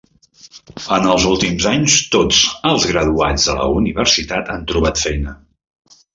En els últims anys, tots els graduats de la universitat han trobat feina.